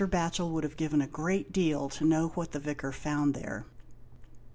Batchel would have given a great deal to know what the Vicar found there.